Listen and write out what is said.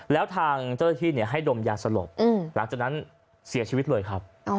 แล้วทางเจ้าหน้าที่ให้ดมยาสลบหลังจากนั้นเสียชีวิตเลยครับ